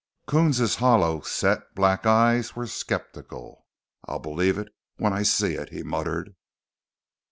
Coons' hollow set black eyes were skeptical. "I'll believe it when I see it," he muttered.